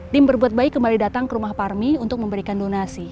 tim berbuat baik kembali datang ke rumah parmi untuk memberikan donasi